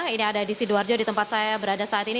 ini ada di sidoarjo di tempat saya berada saat ini